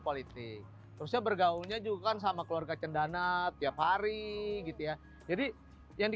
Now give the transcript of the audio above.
politik terusnya bergaulnya juga sama keluarga cendana tiap hari gitu ya jadi yang di